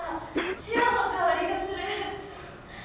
潮の香りがする。